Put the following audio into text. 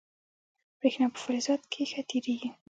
برېښنا په فلزاتو کې ښه تېرېږي.